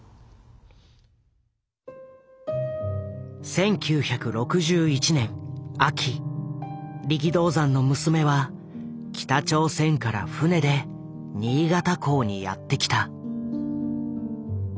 １９６１年秋力道山の娘は北朝鮮から船で新潟港にやって来た。